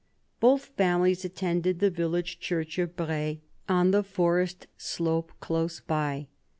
Both families attended the village church of Braye, on the forest slope close by.